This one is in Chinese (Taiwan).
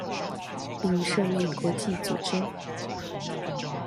並設立國際組織